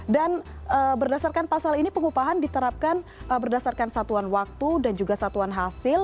dan berdasarkan pasal ini pengupahan diterapkan berdasarkan satuan waktu dan juga satuan hasil